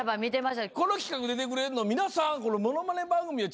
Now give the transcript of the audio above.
この企画出てくれるの皆さん。